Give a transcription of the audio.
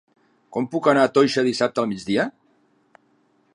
Com puc anar a Toixa dissabte al migdia?